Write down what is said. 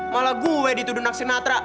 malah gue dituduh aksi natra